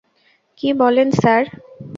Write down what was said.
কী বলেন স্যার?